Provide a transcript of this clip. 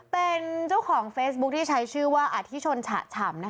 เป็นเจ้าของเฟซบุ๊คที่ใช้ชื่อว่าอธิชนฉะฉ่ำ